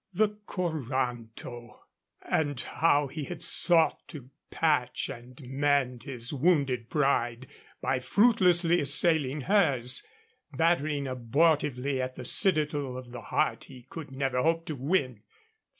The coranto! and how he had sought to patch and mend his wounded pride by fruitlessly assailing hers, battering abortively at the citadel of the heart he could never hope to win.